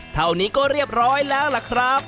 เท่านี้ก็เรียบร้อยแล้วล่ะครับ